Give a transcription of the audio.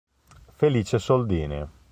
Felice Soldini